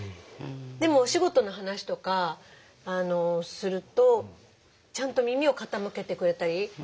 でもお仕事の話とかするとちゃんと耳を傾けてくれたり。